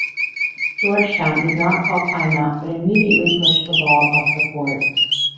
Georgetown did not call timeout but immediately pushed the ball up the court.